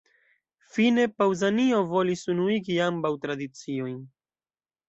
Fine, Paŭzanio volis unuigi ambaŭ tradiciojn.